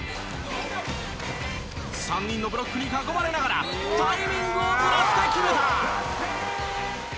３人のブロックに囲まれながらタイミングをずらして決めた！